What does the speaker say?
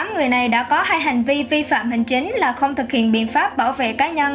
tám người này đã có hai hành vi vi phạm hành chính là không thực hiện biện pháp bảo vệ cá nhân